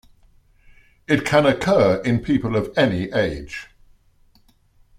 It can occur in people of any age.